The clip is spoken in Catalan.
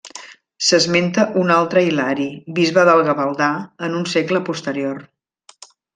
S'esmenta un altre Hilari, bisbe del Gavaldà, en un segle posterior.